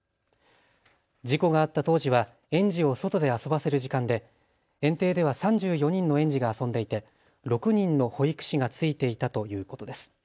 事故があった当時は園児を外で遊ばせる時間で園庭では３４人の園児が遊んでいて６人の保育士がついていたということです。